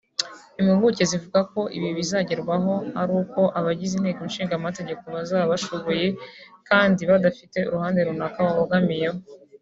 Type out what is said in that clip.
Impuguke zivuga ko ibi bizagerwaho ari uko abagize Inteko nshinga mategeko bazaba bashoboye kandi badafite uruhande runaka babogamiyeho